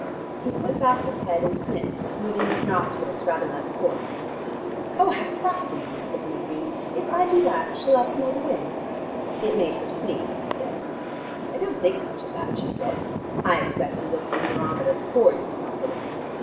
He put back his head and sniffed, moving his nostrils rather like a horse. "Oh, how fascinating," said Nadine. "If I do that shall I smell the wind?" It made her sneeze instead. "I don't think much of that," she said. "I expect you looked at the barometer before you smelt the wind.